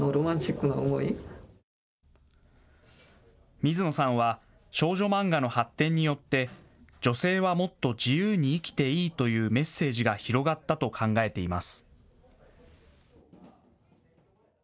水野さんは少女漫画の発展によって女性はもっと自由に生きていいというメッセージが広がったと考えています。